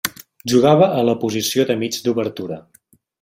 Jugava a la posició de mig d'obertura.